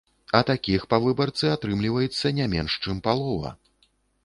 А такіх па выбарцы атрымліваецца не менш чым палова.